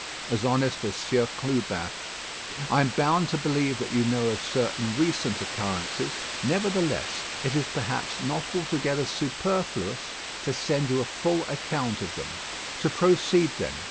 "As honest as Sieur Clubin. "I am bound to believe that you know of certain recent occurrences; nevertheless, it is, perhaps, not altogether superfluous to send you a full account of them. "To proceed then.